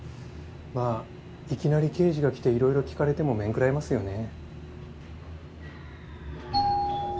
まあいきなり刑事が来ていろいろ訊かれても面食らいますよね。